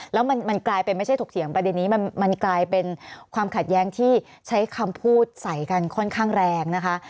แล้วมันกลายเป็นไม่ใช่ถกเถียงประเด็นนี้มันกลายเป็นความขัดแย้งที่ใช้คำพูดใส่กันค่อนข้างแรงนะคะ